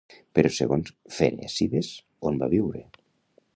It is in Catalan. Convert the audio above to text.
Però segons Ferècides, on va viure?